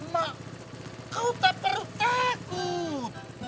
mak kau tak perlu takut